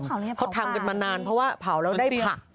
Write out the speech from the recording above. เขาทำกันมานานเพราะว่าเผาแล้วได้ผัก